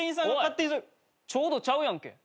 おいちょうどちゃうやんけ。